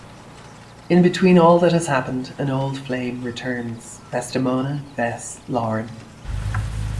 In between all that has happened, an old flame returns, Vestemona "Vess" Lauren.